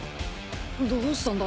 どうしたんだ？